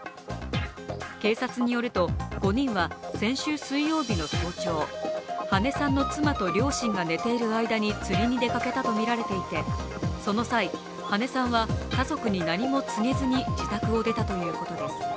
警察によると、５人は先週水曜日の早朝、羽根さんの妻と両親が寝ている間に釣りに出かけたとみられていて、その際、羽根さんは家族に何も告げずに自宅を出たということです。